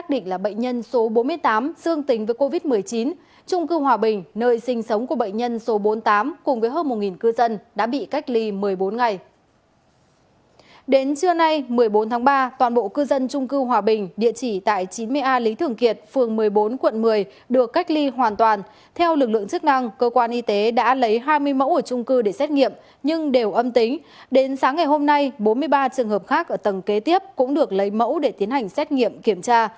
tính sáng ngày hôm nay bốn mươi ba trường hợp khác ở tầng kế tiếp cũng được lấy mẫu để tiến hành xét nghiệm kiểm tra